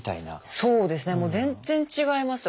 そうですねもう全然違いますよ。